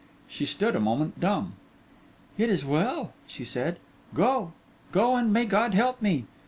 She stood a moment dumb. 'It is well,' she said. 'Go! go, and may God help me!